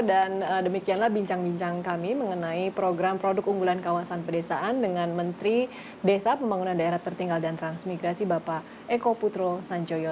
dan demikianlah bincang bincang kami mengenai program produk unggulan kawasan pedesaan dengan menteri desa pembangunan daerah tertinggal dan transmigrasi bapak eko putro sancoyo